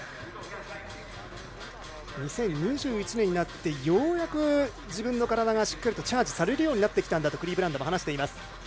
２０２１年になってようやく自分の体がしっかりチャージされるようになってきたんだとクリーブランドも話しています。